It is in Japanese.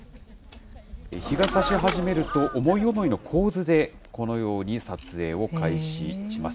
日がさし始めると、思い思いの構図でこのように撮影を開始します。